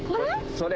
それ。